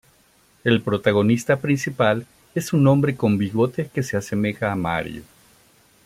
El protagonista principal es un hombre con bigote que se asemeja a Mario.